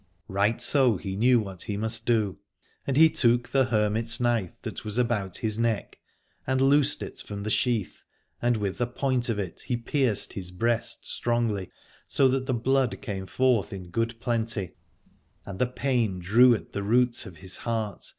Right so he knew what he must do : and he took the hermit's knife that was about his neck, and loosed it from the sheath, and with the point of it he pierced his breast strongly, so that the blood came forth in good plenty, and the pain drew at the roots of his heart.